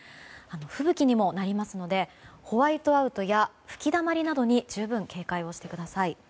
吹雪にもなりますのでホワイトアウトや吹きだまりなどに十分警戒してください。